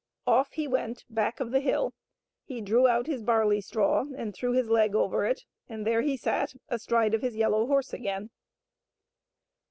Off he went back of the hill. He drew out his barley straw and threw his leg over it, and there he sat astride of his yellow horse again.